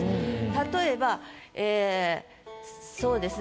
例えばええそうですね